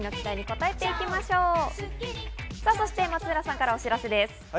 松浦さんからお知らせです。